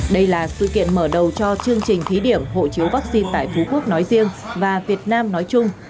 đây là sự kiện mở đầu cho chương trình thí điểm hộ chiếu vaccine tại phú quốc nói riêng và việt nam nói chung